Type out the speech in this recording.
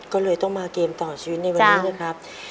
ก็เลยต้องมาเกมต่อชีวิตในวันนี้นะครับ